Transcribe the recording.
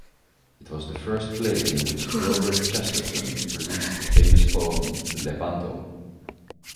It was the first place in which Gilbert Chesterton released the famous poem "Lepanto".